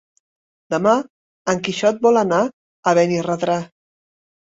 Demà en Quixot vol anar a Benirredrà.